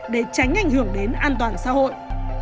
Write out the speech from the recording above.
để tránh ảnh hưởng đến an toàn xã hội